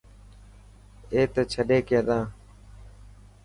اي ته ڇڏي ڪينا.